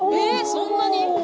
そんなに？」